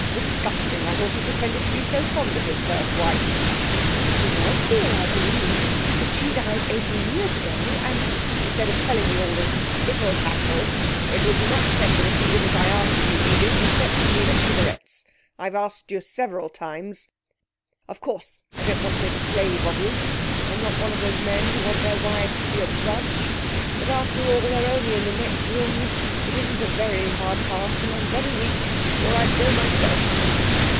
Disgusting! I thought he pretended to be so fond of his first wife.' 'He was, dear, I believe. But she died eighteen years ago, and ' 'Instead of telling me all this tittle tattle it would be much better if you did as I asked you, Edith, and fetched me the cigarettes. I've asked you several times. Of course I don't want to make a slave of you. I'm not one of those men who want their wives to be a drudge. But, after all, they're only in the next room. It isn't a very hard task! And I'm very weak, or I'd go myself.'